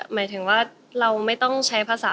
หมายถึงว่าเราไม่ต้องใช้ภาษา